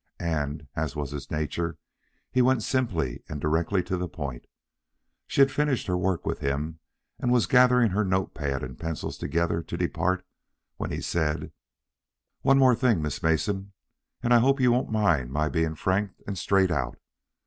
And as was his nature, he went simply and directly to the point She had finished her work with him, and was gathering her note pad and pencils together to depart, when he said: "Oh, one thing more, Miss Mason, and I hope you won't mind my being frank and straight out.